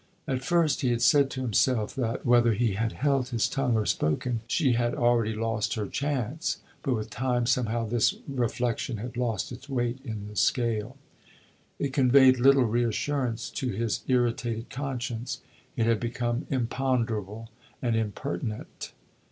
At first he had said to himself that, whether he had held his tongue or spoken, she had already lost her chance; but with time, somehow, this reflection had lost its weight in the scale. It conveyed little re assurance to his irritated conscience it had become imponderable and impertinent.